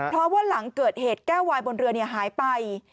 เพราะว่าหลังเกิดเหตุแก้ววายบนเรือหายไป